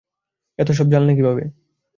এত সব জানলে কীভাবে?